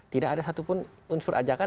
tidak ada satupun unsur ajakan